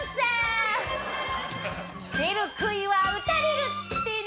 「出る杭は打たれる」ってね。